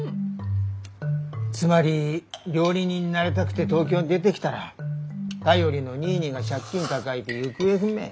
つまり料理人になりたくて東京に出てきたら頼りのニーニーが借金抱えて行方不明。